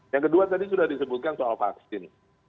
yang kedua tadi sudah disebutkan soal vaksin